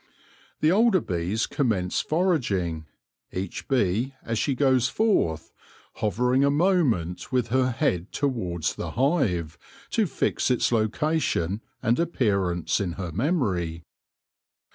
The older bees commence foraging, each bee as she goes forth hovering a moment with her head towards the hive, to fix its location and appear ance in her memory.